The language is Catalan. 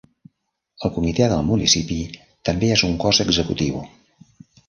El Comitè del municipi també és un cos executiu.